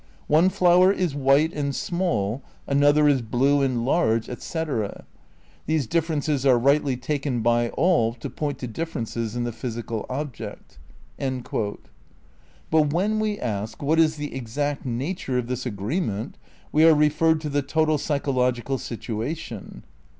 "One flower is white and small, another is blue and large, etc. These differences are rightly taken by all to point to differences in the physical object.'" But when we ask "what is the exact nature of this agreement" we are referred to "the total psychologi cal situation.